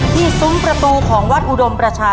และสร้างเมื่อพอสอใด